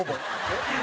えっ？